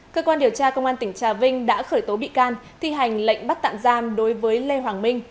cơ quan điều tra công an tỉnh trà vinh đã khởi tố bị can thi hành lệnh bắt tạm giam đối với lê hoàng minh